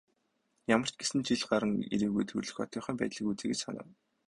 Ямар ч гэсэн жил гаран ирээгүй төрөлх хотынхоо байдлыг үзье гэж санав.